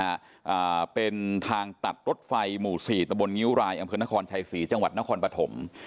อ่าเป็นทางตัดรถไฟหมู่สี่ตะบนงิ้วรายอำเภอนครชัยศรีจังหวัดนครปฐม